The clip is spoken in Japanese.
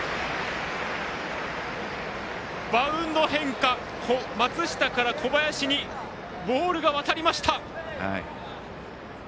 バウンド変化して松下から小林にボールが渡りました。